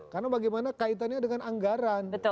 karena bagaimana kaitannya dengan anggaran